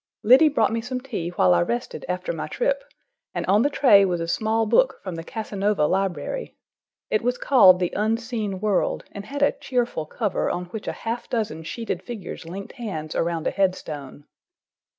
Liddy brought me some tea while I rested after my trip, and on the tray was a small book from the Casanova library. It was called The Unseen World and had a cheerful cover on which a half dozen sheeted figures linked hands around a headstone.